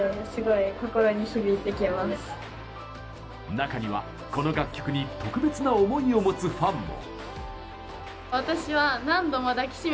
中には、この楽曲に特別な思いを持つファンも。